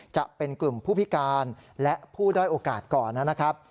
จะเป็นกลุ่มผู้พิการและผู้ด้อยโอกาสก่อนนะครับ